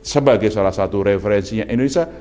sebagai salah satu referensinya indonesia